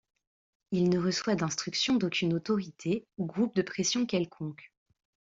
Il ne reçoit d'instruction d'aucune autorité ou groupe de pression quelconque.